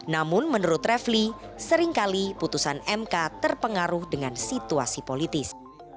namun menurut refli seringkali putusan mk terpengaruh dengan situasi politis